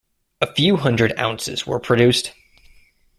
A few hundred ounces were produced.